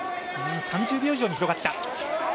３０秒以上に広がった。